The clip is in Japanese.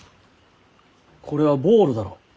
これはボーロだろう？